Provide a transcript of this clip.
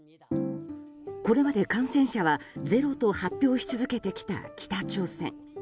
これまで感染者はゼロと発表し続けてきた北朝鮮。